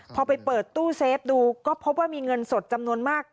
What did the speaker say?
พอไปเปิดตู้เซฟดูก็พบว่ามีเงินสดจำนวนมาก